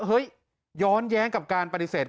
ย้อนแย้งกับการปฏิเสธ